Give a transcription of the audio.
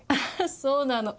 そうなの。